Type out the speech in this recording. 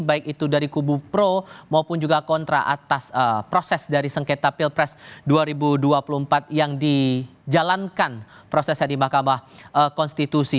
baik itu dari kubu pro maupun juga kontra atas proses dari sengketa pilpres dua ribu dua puluh empat yang dijalankan prosesnya di mahkamah konstitusi